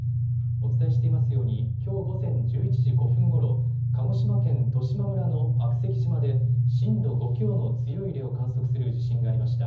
お伝えしていますようにきょう午前１１時５分ごろ、鹿児島県十島村の悪石島で震度５強の強い揺れを観測する地震がありました。